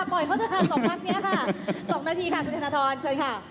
ปล่อยเข้าเถอะค่ะ๒พักนี้๒นาทีคุณธนธรเชิญค่ะ